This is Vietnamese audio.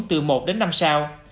từ một đến năm sao